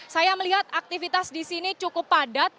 saya melihat aktivitas di sini cukup padat